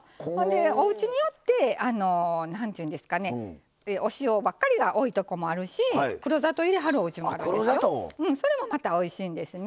おうちによって、お塩ばっかりが多いところもあるし黒砂糖を入れはるおうちもあるしそれも、またおいしいんですね。